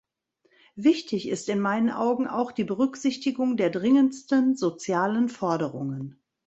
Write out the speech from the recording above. Wichtig ist in meinen Augen auch die Berücksichtigung der dringendsten sozialen Forderungen.